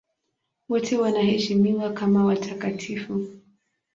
Wote wanaheshimiwa kama watakatifu.